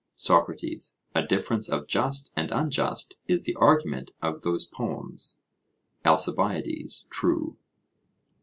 SOCRATES: A difference of just and unjust is the argument of those poems? ALCIBIADES: True.